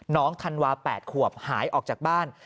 ธันวา๘ขวบหายออกจากบ้าน